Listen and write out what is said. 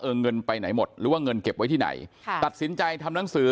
เงินไปไหนหมดหรือว่าเงินเก็บไว้ที่ไหนค่ะตัดสินใจทำหนังสือ